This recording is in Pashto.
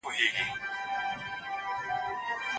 مشر وويل چي د بشري حقوقو ساتنه زموږ دنده ده.